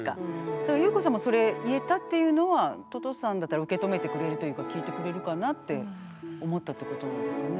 だからゆうこさんもそれ言えたっていうのはととさんだったら受け止めてくれるというか聞いてくれるかなって思ったってことなんですかね。